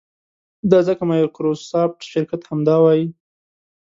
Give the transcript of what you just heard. دا ځکه مایکروسافټ شرکت همدا وایي.